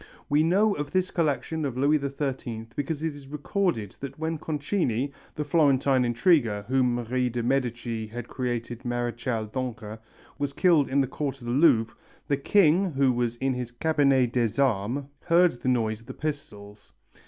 We know of this collection of Louis XIII because it is recorded that when Concini, the Florentine intriguer whom Marie de Médicis had created Maréchal d'Ancre, was killed in the court of the Louvre, "the king, who was in his cabinet des armes, heard the noise of the pistols."